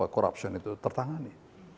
korupsi itu tertangani